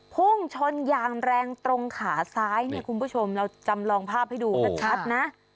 พุ่งชนอย่างแรงตรงขาซ้ายเนี่ยคุณผู้ชมเราจำลองภาพให้ดูชัดนะ